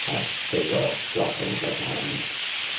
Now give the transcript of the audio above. *' asked Hagar, dropping her hands.